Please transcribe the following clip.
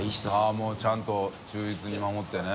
もうちゃんと忠実に守ってね。